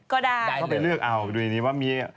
ก็ได้ได้เลย